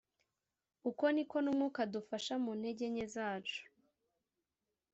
Uko ni ko n Umwuka adufasha mu ntege nke zacu